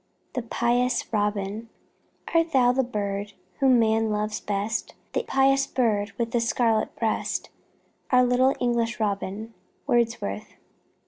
THE PIOUS ROBIN "Art thou the bird whom man loves best, The pious bird with the scarlet breast, Our little English Robin?" WORDSWORTH.